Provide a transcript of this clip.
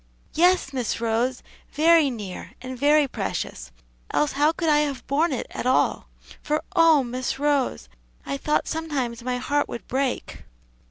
"Yes, Miss Rose, very near, and very precious; else how could I have borne it at all? for oh, Miss Rose, I thought sometimes my heart would break!"